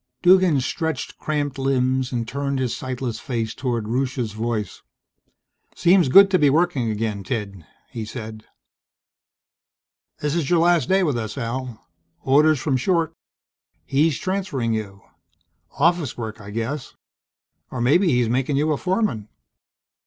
Duggan stretched cramped limbs and turned his sightless face toward Rusche's voice. "Seems good to be working again, Ted," he said. "This's your last day with us, Al. Orders from Short. He's transferring you. Office work I guess, or maybe he's making you a foreman."